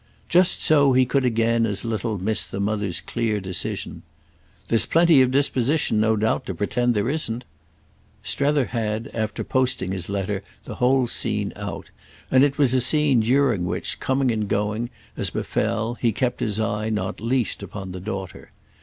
Just so he could again as little miss the mother's clear decision: "There's plenty of disposition, no doubt, to pretend there isn't." Strether had, after posting his letter, the whole scene out; and it was a scene during which, coming and going, as befell, he kept his eye not least upon the daughter.